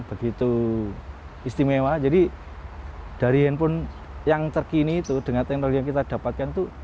begitu istimewa jadi dari handphone yang terkini itu dengan tenor yang kita dapatkan tuh foto sudah